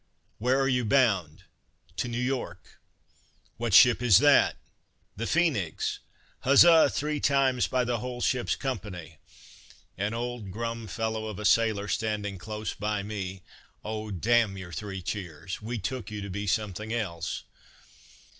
"Where are you bound?" "To New York." "What ship is that?" "The Phoenix." Huzza, three times by the whole ship's company. An old grum fellow of a sailor standing close by me: "O, d m your three cheers, we took you to be something else."